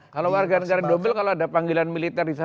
kalau warga negara dobel kalau ada panggilan militer di sana